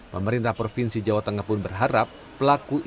pemerintah provinsi jawa tengah pun berharap pelaku ini